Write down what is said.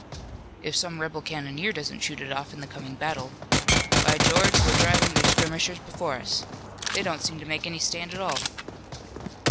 "If some rebel cannoneer doesn't shoot it off in the coming battle. By George, we're driving their skirmishers before us! They don't seem to make any stand at all!"